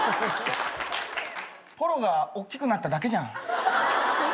ポロがおっきくなっただけじゃん。